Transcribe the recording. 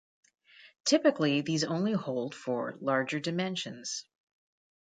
Typically these only hold for larger dimensions.